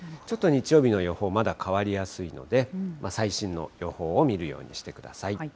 ちょっと日曜日の予報、まだ変わりやすいので、最新の予報を見るようにしてください。